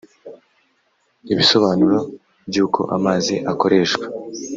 ibisobanuro by uko amazi akoreshwa